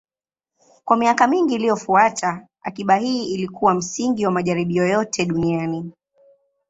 Kwa miaka mingi iliyofuata, akiba hii ilikuwa msingi wa majaribio yote duniani.